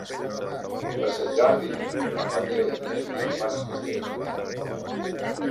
Per Sant Jordi en Mateu i na Judit van a Es Castell.